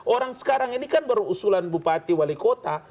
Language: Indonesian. orang sekarang ini kan berusulan bupati wali kota